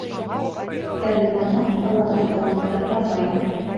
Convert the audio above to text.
Стәрлетамаҡ ҡалаһы таланттарға бай.